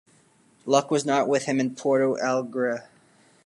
Luck was not with him in Porto Alegre.